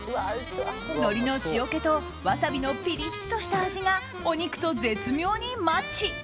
のりの塩気とワサビのピリッとした味がお肉と絶妙にマッチ。